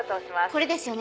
これですよね？